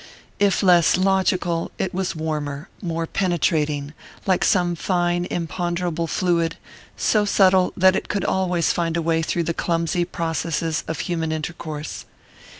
If less logical, it was warmer, more penetrating like some fine imponderable fluid, so subtle that it could always find a way through the clumsy processes of human intercourse.